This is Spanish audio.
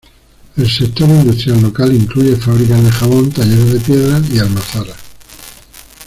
El sector industrial local incluye fábricas de jabón, talleres de piedra y almazaras.